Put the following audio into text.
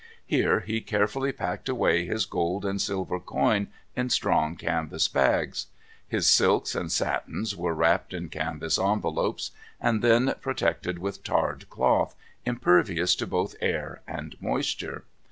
Here he carefully packed away his gold and silver coin in strong canvas bags. His silks and satins were wrapped in canvas envelopes, and then protected with tarred cloth, impervious to both air and moisture.